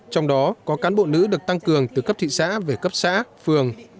trong đó có cán bộ nữ được tăng cường từ cấp thị xã về cấp xã phường